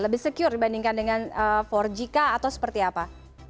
lebih secure dibandingkan dengan empat g kah atau seperti apa